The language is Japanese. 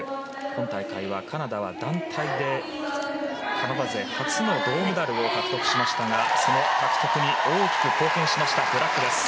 今大会はカナダは団体でカナダ勢初の銅メダルを獲得しましたがその獲得に大きく貢献したブラックです。